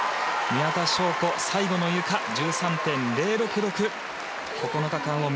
宮田笙子、最後のゆかは１３．０６６。